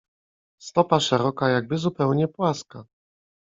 "Stopa szeroka, jakby zupełnie płaska."